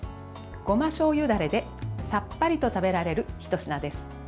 ごましょうゆダレでさっぱりと食べられるひと品です。